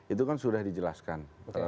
itu kan sudah dijelaskan